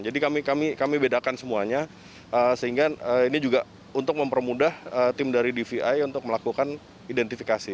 jadi kami bedakan semuanya sehingga ini juga untuk mempermudah tim dari dvi untuk melakukan identifikasi